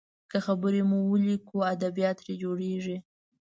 که خبرې مو وليکو، ادبيات ترې جوړیږي.